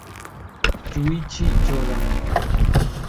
Yuichi Yoda